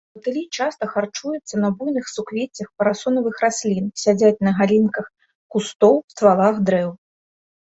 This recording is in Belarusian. Матылі часта харчуюцца на буйных суквеццях парасонавых раслін, сядзяць на галінках кустоў, ствалах дрэў.